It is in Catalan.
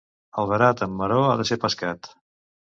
El verat amb maror ha de ser pescat.